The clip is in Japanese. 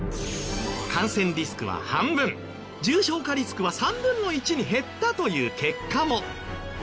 感染リスクは半分重症化リスクは３分の１に減ったという結果も。